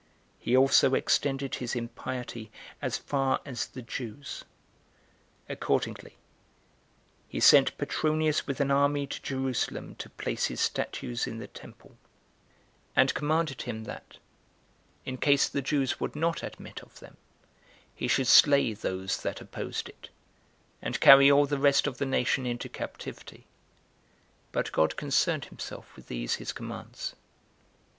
He also extended his impiety as far as the Jews. Accordingly, he sent Petronius with an army to Jerusalem, to place his statues in the temple, 11 and commanded him that, in case the Jews would not admit of them, he should slay those that opposed it, and carry all the rest of the nation into captivity: but God concerned himself with these his commands.